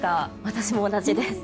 私も同じです。